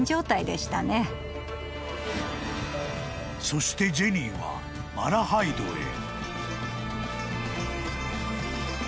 ［そしてジェニーはマラハイドへ］